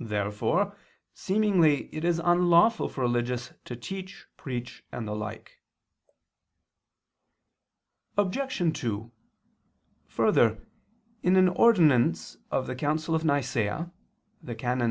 Therefore seemingly it is unlawful for religious to teach, preach, and the like. Obj. 2: Further, in an ordinance of the Council of Nicea (cf. XVI, qu. i, can.